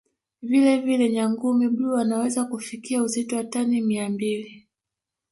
Vile vile Nyangumi bluu anaweza kufikia uzito wa tani mia mbili